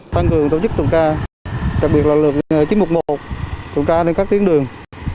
tăng cường tổ chức tuần tra đặc biệt là lực chín trăm một mươi một tuần tra trên các tuyến đường